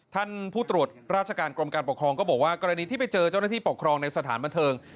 ท่านผู้ตรวจราชการกรมการปกครองก็บอกว่ากรณีที่ไปเจอเจ้าหน้าที่ปกครองในสถานบันเทิง